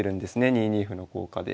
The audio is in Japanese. ２二歩の効果で。